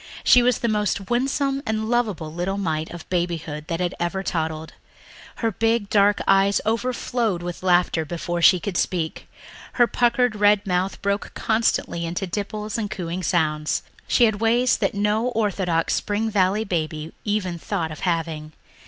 She was the most winsome and lovable little mite of babyhood that ever toddled. Her big dark eyes overflowed with laughter before she could speak, her puckered red mouth broke constantly into dimples and cooing sounds. She had ways that no orthodox Spring Valley baby ever thought of having.